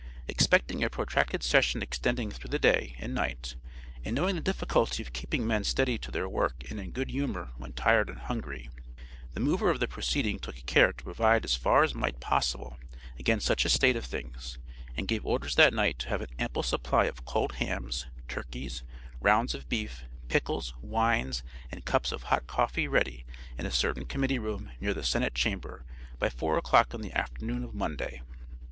Expecting a protracted session extending through the day and night, and knowing the difficulty of keeping men steady to their work and in good humor when tired and hungry, the mover of the proceeding took care to provide as far as possible against such a state of things, and gave orders that night to have an ample supply of cold hams, turkeys, rounds of beef, pickles, wines and cups of hot coffee ready in a certain committee room near the senate chamber by four o'clock on the afternoon of Monday.